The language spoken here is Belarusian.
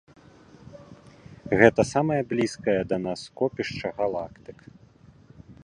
Гэта самае блізкае да нас скопішча галактык.